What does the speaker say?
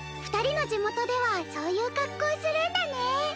２人の地元ではそういう格好するんだね。